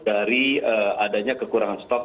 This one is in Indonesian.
dari adanya kekurangan stok